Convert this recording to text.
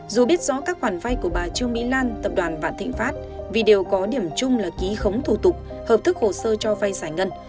dù biết rõ các khoản vay của bà trương mỹ lan tập đoàn vạn thịnh pháp vì đều có điểm chung là ký khống thủ tục hợp thức hồ sơ cho vay giải ngân